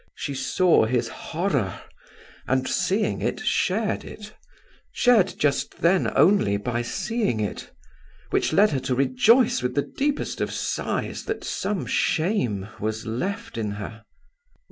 She saw his horror, and, seeing, shared it; shared just then only by seeing it; which led her to rejoice with the deepest of sighs that some shame was left in her.